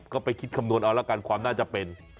ก็ไปคิดคำนวณเอาละกันความน่าจะเป็น